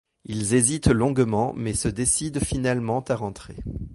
Ils hésitent longuement mais se décident finalement à rentrer.